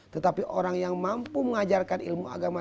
tetapi orang yang mampu mengajarkan ilmu agama